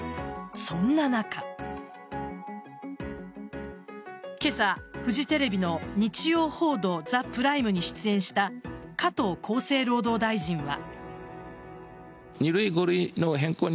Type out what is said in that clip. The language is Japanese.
そんな中今朝、フジテレビの「日曜報道ＴＨＥＰＲＩＭＥ」に出演した加藤厚生労働大臣は。